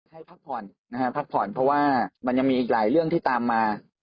ให้พักผ่อนนะฮะพักผ่อนเพราะว่ามันยังมีอีกหลายเรื่องที่ตามมา